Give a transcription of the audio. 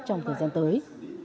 trong thời gian tới